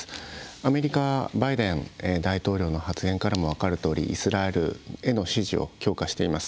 アメリカ、バイデン大統領の発言からも分かるようにイスラエルへの支持を強化しています。